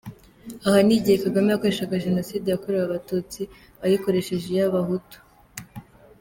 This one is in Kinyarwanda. Aha ni igihe Kagame yakoreshaga génocide yakorewe Abatutsi, ayikoresheje iy’Abahutu!